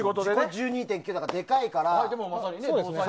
１２．９だからでかいから。